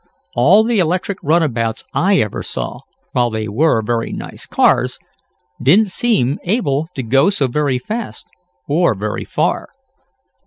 All the electric runabouts I ever saw, while they were very nice cars, didn't seem able to go so very fast, or very far."